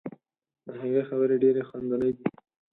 د هغې خبرې ډیرې خندنۍ دي.